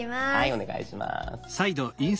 お願いします。